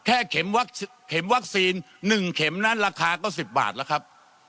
เข็มวัคซีน๑เข็มนั้นราคาก็๑๐บาทแล้วครับ